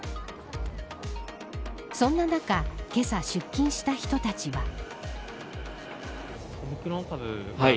そんな中けさ出勤した人たちは。